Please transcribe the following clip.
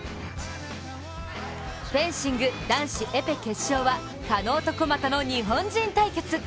フェンシング男子エペ決勝は加納と古俣の日本人対決。